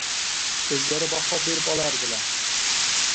O‘zlari baho berib olardilar.